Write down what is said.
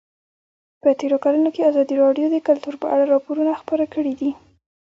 په تېرو کلونو کې ازادي راډیو د کلتور په اړه راپورونه خپاره کړي دي.